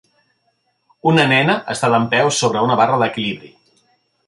Una nena està dempeus sobre una barra d'equilibri.